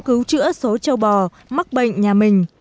cứu chữa số trâu bò mắc bệnh nhà mình